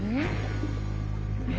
え？